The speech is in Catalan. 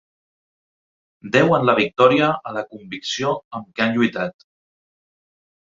Deuen la victòria a la convicció amb què han lluitat.